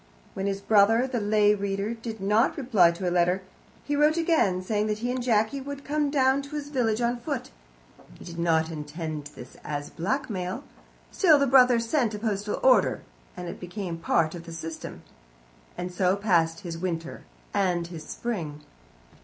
When his brother, the lay reader, did not reply to a letter, he wrote again, saying that he and Jacky would come down to his village on foot. He did not intend this as blackmail. Still, the brother sent a postal order, and it became part of the system. And so passed his winter and his spring.